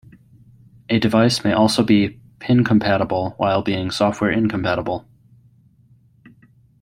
A device may also be pin-compatible while being software-incompatible.